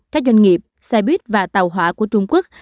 các doanh nghiệp xe buýt và tàu hỏa của trung quốc